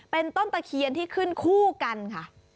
เป็นต้นตะเคียนที่ขึ้นคู่กันค่ะ